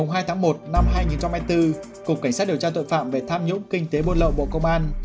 ngày hai tháng một năm hai nghìn hai mươi bốn cục cảnh sát điều tra tội phạm về tham nhũng kinh tế buôn lậu bộ công an